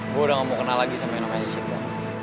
gue udah gak mau kenal lagi sama anaknya cinta